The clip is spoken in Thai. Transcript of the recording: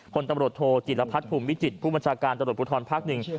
คนตำรวจโทจิลพัฒน์ภูมิวิจิตผู้บัญชาการตำรวจภูทรภาคหนึ่ง